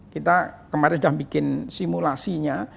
kita kemarin sudah bikin simulasinya